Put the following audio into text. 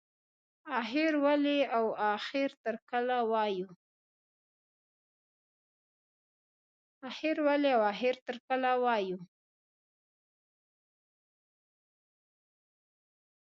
اخر ولې او اخر تر کله وایو.